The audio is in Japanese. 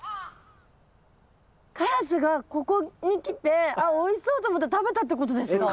カラスがここに来てあっおいしそうと思って食べたってことですか？